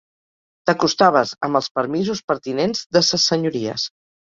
T'acostaves amb els permisos pertinents de ses senyories.